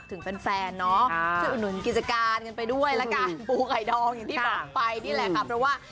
คือพี่เบ้นเนี้ยเขาก็บอกว่า